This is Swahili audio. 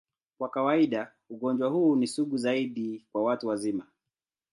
Kwa kawaida, ugonjwa huu ni sugu zaidi kwa watu wazima.